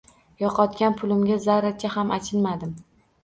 Yo’qotgan pulimga zarracha ham achinmadim.